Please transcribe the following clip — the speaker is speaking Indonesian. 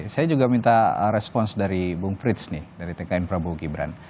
saya juga minta respons dari bung frits nih dari tkn prabowo gibran